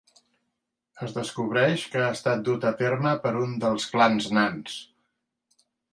Es descobreix que ha estat dut a terme per un dels clans nans.